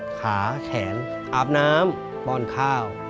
ขาแขนอาบน้ำป้อนข้าว